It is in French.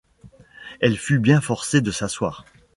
Elle fut bien forcée de s’asseoir.